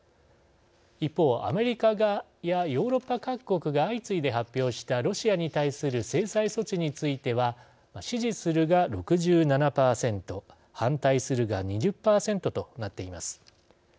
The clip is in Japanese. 一方アメリカやヨーロッパ各国が相次いで発表したロシアに対する制裁措置については支持するが６７％反対するが２０％となっています。